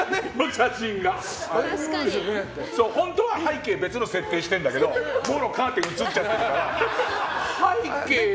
本当は背景別のを設定しているんだけどもろカーテン映っちゃってるから。